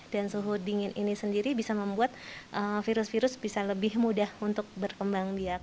dan suhu dingin ini sendiri bisa membuat virus virus bisa lebih mudah untuk berkembang